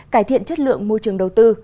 cải thiện chất lượng môi trường đầu tư